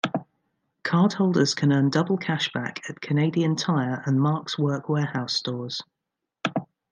Cardholders can earn double cash back at Canadian Tire and Mark's Work Wearhouse stores.